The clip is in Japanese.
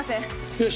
よし。